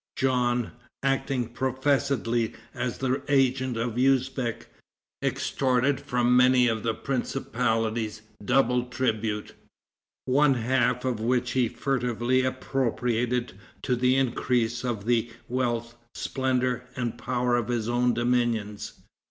Jean, acting professedly as the agent of Usbeck, extorted from many of the principalities double tribute, one half of which he furtively appropriated to the increase of the wealth, splendor and power of his own dominions.